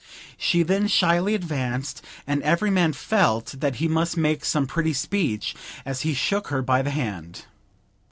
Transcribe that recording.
She then shyly advanced, and every man felt that he must make some pretty speech as he shook her by the hand.